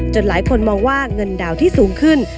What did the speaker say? หลายคนมองว่าเงินดาวที่สูงขึ้น